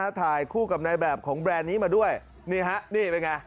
ถ่ายคู่กับนายแบบของแบรนด์นี้มาด้วยนี่ฮะนี่เป็นไง